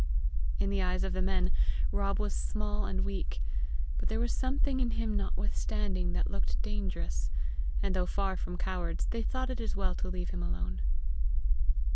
In the eyes of the men Rob was small and weak; but there was something in him notwithstanding that looked dangerous, and, though far from cowards, they thought it as well to leave him alone.